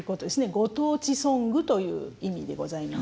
ご当地ソングという意味でございます。